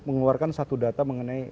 mengeluarkan satu data mengenai